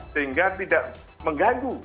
sehingga tidak mengganggu